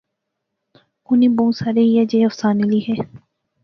اُنی بہوں سارے ایہہ جئے افسانے لیخے